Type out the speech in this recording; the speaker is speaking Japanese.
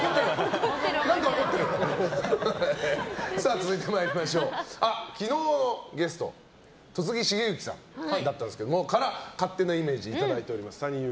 続いて、昨日のゲスト戸次重幸さんだったんですが勝手なイメージをいただいております。